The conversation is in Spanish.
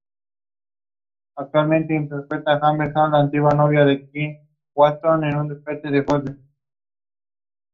Se monta a la gineta, sujetando las riendas con la mano izquierda.